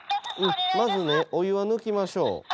まずねお湯を抜きましょう。